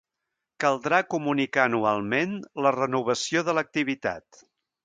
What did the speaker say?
Caldrà comunicar anualment la renovació de l'activitat.